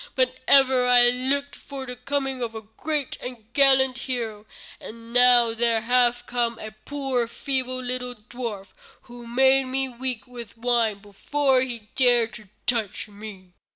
But ever I looked for the coming of a great and gallant hero, and now there hath come a poor feeble, little dwarf, who made me weak with wine before he dared to touch me."